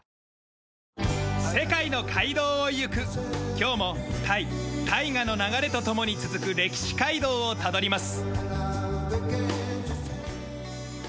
今日もタイ大河の流れと共に続く歴史街道をたどります。